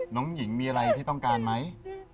น้องหญิงมีอะไรที่ต้องการไหม